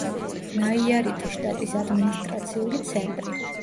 ნაიარიტის შტატის ადმინისტრაციული ცენტრი.